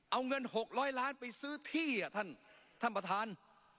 เอาเงิน๖๐๐ล้านไปซื้อที่ท่านประธาน